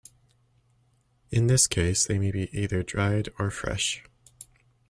In this case they may be either dried or fresh.